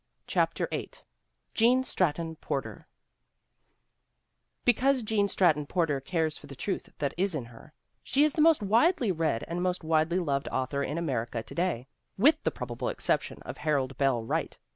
CHAPTER VIII GENE STRATTON PORTER BECAUSE Gene Stratton Porter cares for the truth that is in her, she is the most widely read and most widely loved author in America to day, with the probable exception of Harold Bell Wright.